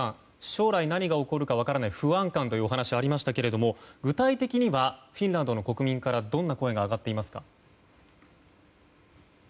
将来何が起こるか分からない不安感というお話がありましたけれども具体的にはフィンランドの国民からどんな声が上がっていますか？